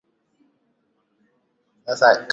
Ni mto ambao uko Amerika Kusini na